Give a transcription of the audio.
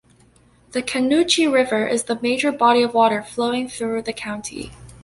The Canoochee River is the major body of water flowing through the county.